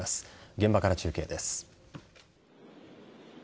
現場から中継です。